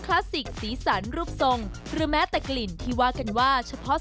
ลาสสิกสีสันรูปทรงหรือแม้แต่กลิ่นที่ว่ากันว่าเฉพาะ